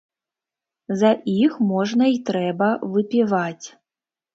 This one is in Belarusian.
За іх можна й трэба выпіваць.